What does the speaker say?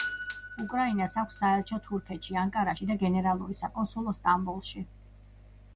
უკრაინას აქვს საელჩო თურქეთში ანკარაში და გენერალური საკონსულო სტამბოლში.